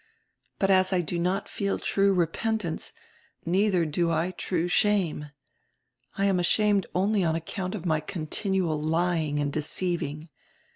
But as I do not feel true repentance, neither do I true shame. I am ashamed only on account of my continual lying and deceiving.